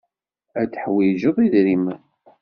Ad teḥwijeḍ idrimen.